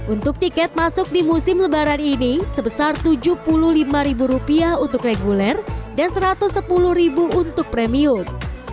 untuk tiket masuk di musim lebaran ini sebesar rp tujuh puluh lima untuk reguler dan rp satu ratus sepuluh untuk premium